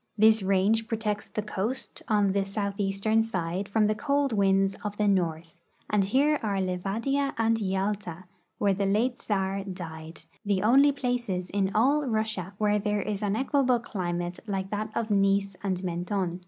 This range protects the coast on the southeastern side from the cold winds of the north, and here are Livadia and Yalta, where the late Czar died — the only places in all Russia Avhere there is an equable climate like that of Nice and Mentone.